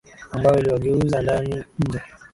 Ambayo iliwageuza ndani nje.